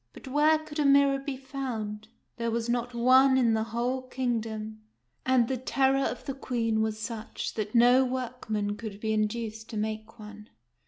But where could a mirror be found ? There was not one in the whole kingdom ; and the terror of the Queen was such that no workman could be in duced to make one.